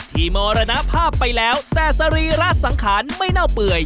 มรณภาพไปแล้วแต่สรีระสังขารไม่เน่าเปื่อย